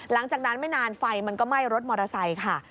หลังจากนั้นไม่นานไฟมันก็ไหม้รถมอเตอร์ไซค์ค่ะ